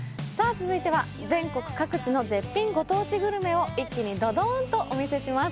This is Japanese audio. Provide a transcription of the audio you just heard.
続いては全国各地の絶品ご当地グルメを一気にどどんとお見せします